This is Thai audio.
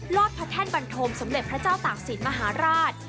อดพระแท่นบันทมสมเด็จพระเจ้าตากศิลป์มหาราช